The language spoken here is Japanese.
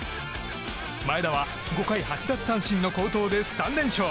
前田は５回８奪三振の好投で３連勝。